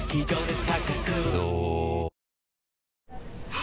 あ！